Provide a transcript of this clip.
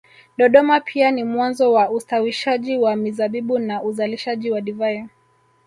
Dodoma pia ni mwanzo wa ustawishaji wa mizabibu na uzalishaji wa divai